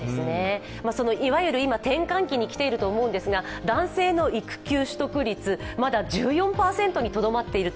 いわゆる今、転換期に来ていると思うんですが、男性の育休取得率まだ１４％なんです。